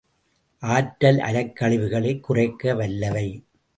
ஆற்றல் அலைக்கழிவுகளைக் குறைக்க வல்லவை.